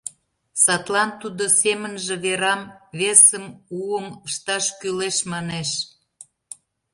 Садлан тудо семынже верам весым, уым ышташ кӱлеш манеш.